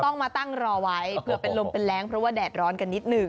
ต้องมาตั้งรอไว้เผื่อเป็นลมเป็นแรงเพราะว่าแดดร้อนกันนิดหนึ่ง